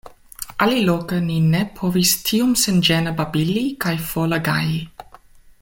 Aliloke ni ne povis tiom senĝene babili kaj fole gaji.